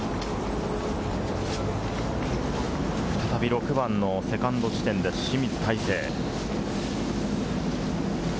再び６番のセカンド地点です、清水大成。